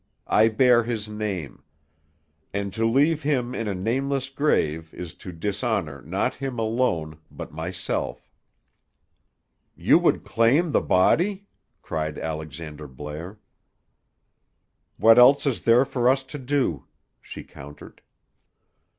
I bear his name. And to leave him in a nameless grave is to dishonor not him alone, but myself." "You would claim the body?" cried Alexander Blair. "What else is there for us to do?" she countered.